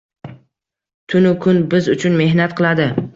Tun-u kun biz uchun mehnat qiladi.